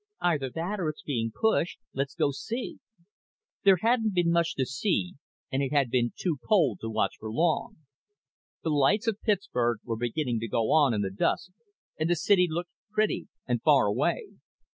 "Either that or it's being pushed. Let's go see." There hadn't been much to see and it had been too cold to watch for long. The lights of Pittsburgh were beginning to go on in the dusk and the city looked pretty and far away.